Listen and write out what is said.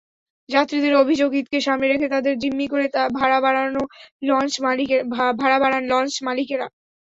যাত্রীদের অভিযোগ, ঈদকে সামনে রেখে তাঁদের জিম্মি করে ভাড়া বাড়ান লঞ্চ মালিকেরা।